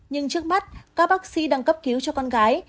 nhưng trước mắt các bác sĩ đang cấp cứu cho con gái